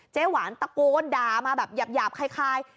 หวานตะโกนด่ามาแบบหยาบคล้าย